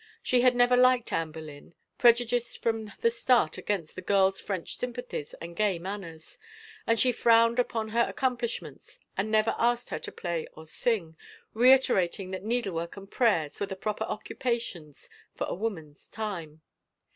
She had never liked Anne Boleyn, prejudiced from the start against the girl's French S3rmpathies and gay manners, and she frowned upon her accomplishments, and never asked her to play or sing, reiterating that needlework and prayers were the proper occupations for a woman's time.